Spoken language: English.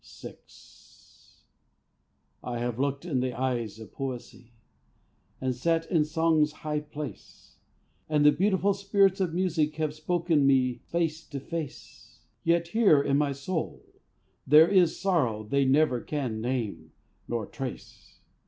VI. I have looked in the eyes of poesy, And sat in song's high place; And the beautiful spirits of music Have spoken me face to face; Yet here in my soul there is sorrow They never can name nor trace.